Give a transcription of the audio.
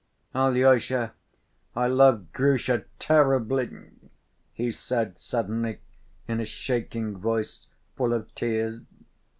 "Alyosha, I love Grusha terribly," he said suddenly in a shaking voice, full of tears.